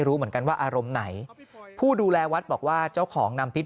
รู้เหมือนกันว่าอารมณ์ไหนผู้ดูแลวัดบอกว่าเจ้าของนำพิษ